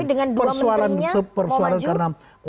tapi dengan dua menterinya mau maju